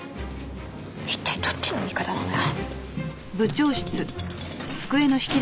一体どっちの味方なのよ？